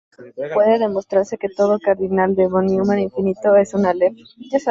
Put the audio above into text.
Puede demostrarse que todo cardinal de Von Neumann infinito es un alef.